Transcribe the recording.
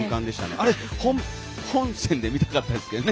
あれ、本戦で見たかったですけどね。